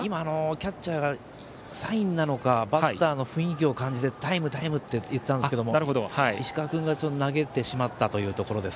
キャッチャーがサインなのかバッターの雰囲気を感じてタイムと言っていたんですが石川君が投げてしまいましたね。